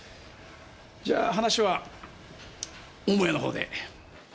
じゃあ話は母屋のほうで。